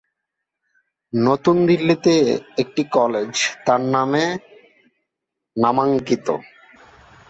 নতুন দিল্লিতে একটি কলেজ তার নামে নামাঙ্কিত।